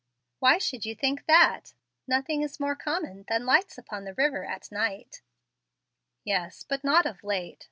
"Why should you think that? Nothing is more common than lights upon the river at night." "Yes, but not of late.